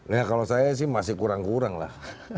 ya kalau saya sih masih kurang kurang lah